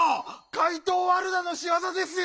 ⁉かいとうワルダのしわざですよ！